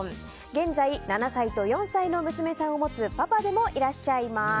現在、７歳と４歳の娘さんを持つパパでもいらっしゃいます。